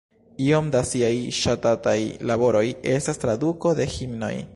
Iom da siaj ŝatataj laboroj estas traduko de himnoj.